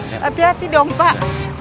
hati hati dong pak